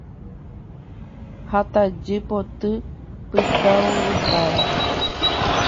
Ha tajy poty pytãungypáva